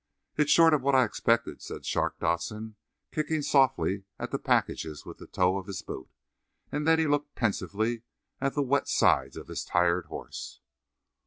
"It's short of what I expected," said Shark Dodson, kicking softly at the packages with the toe of his boot. And then he looked pensively at the wet sides of his tired horse.